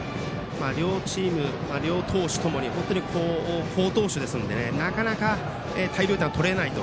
両チーム、両投手ともに本当に好投手ですのでなかなか大量点は取れないと。